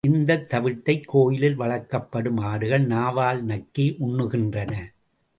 இந்த தவிட்டை கோயிலில் வளர்க்கப்படும் ஆடுகள் நாவால் நக்கி உண்ணுகின்றன.